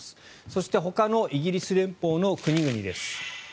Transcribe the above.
そしてほかのイギリス連邦の国々です。